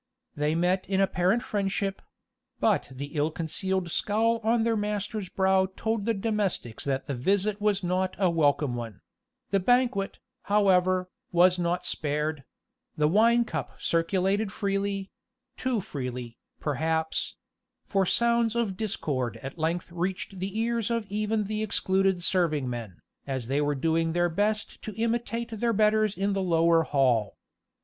They met in apparent friendship; but the ill concealed scowl on their master's brow told the domestics that the visit was not a welcome one; the banquet, however, was not spared; the wine cup circulated freely too freely, perhaps for sounds of discord at length reached the ears of even the excluded serving men, as they were doing their best to imitate their betters in the lower hall.